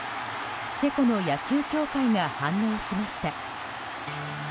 チェコの野球協会が反応しました。